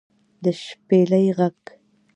د شپېلۍ غږ